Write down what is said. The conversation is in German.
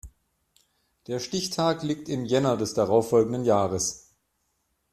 Der Stichtag liegt im Jänner des darauf folgenden Jahres.